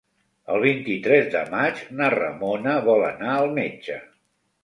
El vint-i-tres de maig na Ramona vol anar al metge.